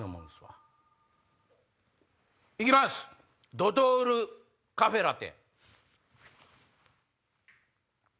ドトールカフェラテ。